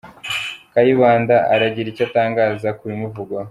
Kayibanda aragira icyo atangaza ku bimuvugwaho